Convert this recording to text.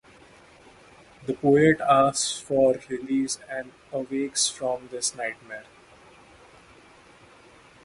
The poet asks for release and awakes from this nightmare.